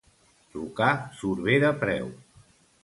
Trucar surt bé de preu.